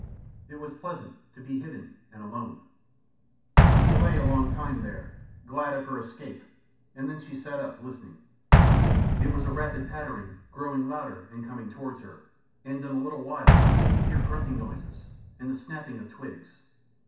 It was pleasant to be hidden and alone. She lay a long time there, glad of her escape, and then she sat up listening. It was a rapid pattering growing louder and coming towards her, and in a little while she could hear grunting noises and the snapping of twigs.